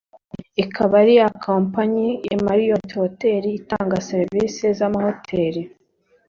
ikaba ari iya kompanyi Marriot Hotels itanga serivisi z’amahoteli